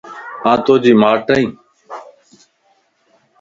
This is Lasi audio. آن توجي ماٽئين